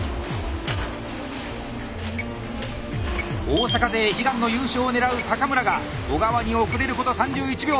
大阪勢悲願の優勝を狙う高村が小川に遅れること３１秒。